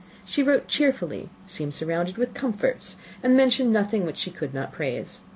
She wrote cheerfully, seemed surrounded with comforts, and mentioned nothing which she could not praise.